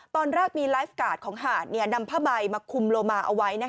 ตอนแรกมีไลฟ์การ์ดของหาดนำผ้าใบมาคุมโลมาเอาไว้